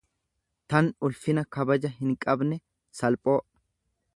tan ulfina kabaja hinqabne, salphoo.